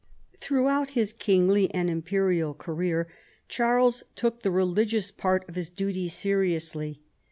Throughout his kingly and imperial career Charles took the religious part of his duties seriously.